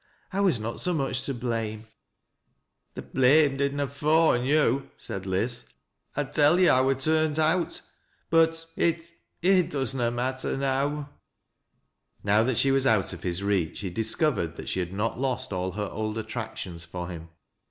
I was not so much to blame." " Th' bxame did na fa' on yo'," said Liz. "I tell yo' 1 wur turnt out, but — it — it does na matter now," with & «Db. Now that she was out of his reach, he discovered thai ■he had not lost all her old attractions for him.